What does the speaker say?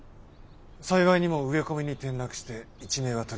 幸いにも植え込みに転落して一命は取り留めた。